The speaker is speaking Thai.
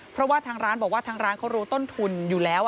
เพราะว่าทางร้านบอกว่าทางร้านเขารู้ต้นทุนอยู่แล้ว